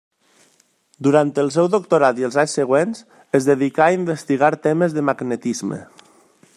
Durant el seu doctorat i els anys següents, es dedicà a investigar temes de magnetisme.